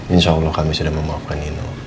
insya allah kami sudah memaafkan itu